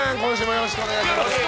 よろしくお願いします。